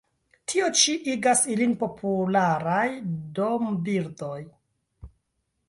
Tio ĉi igas ilin popularaj dombirdoj.